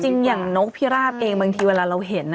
อย่างนกพิราบเองบางทีเวลาเราเห็น